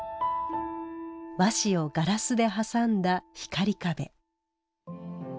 和紙をガラスで挟んだ光壁。